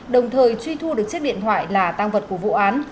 đồng thời truy thu được chiếc điện thoại là tăng vật của vụ án